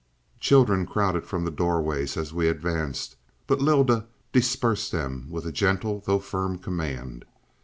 "Children crowded from the doorways as we advanced, but Lylda dispersed them with a gentle though firm, command.